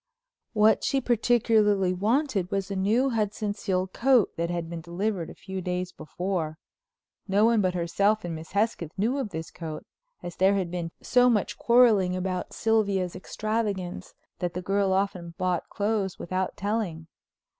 What she particularly wanted was a new Hudson seal coat that had been delivered a few days before. No one but herself and Miss Hesketh knew of this coat as there had been so much quarreling about Sylvia's extravagance, that the girl often bought clothes without telling.